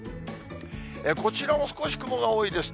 こちらも少し雲が多いです。